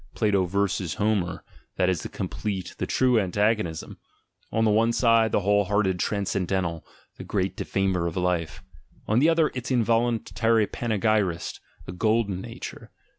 Plato versus Homer, that is the complete, the true antagonism — on the one side, the whole hearted "transcendental," the great defamer of life; on the other, its involuntary panegyrist, the golden nature.